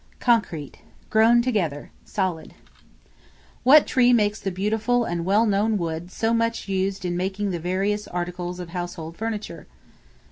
Concrete, grown together, solid. What Tree produces the beautiful and well known wood so much used in making the various articles of household furniture?